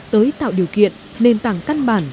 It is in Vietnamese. tới tạo điều kiện nền tảng căn bản